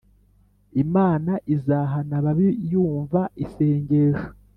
Imana izahana ababi yumva isengesho